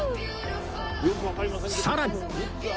さらに